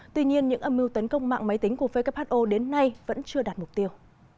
tuy nhiên những âm mưu tấn công mạng máy tính của who đến nay vẫn chưa đạt mục tiêu